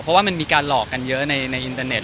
เพราะว่ามันมีการหลอกกันเยอะในอินเตอร์เน็